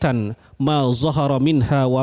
dan dari segala makanan